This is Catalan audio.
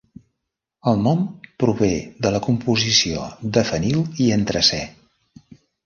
El nom prové de la composició de fenil i antracè.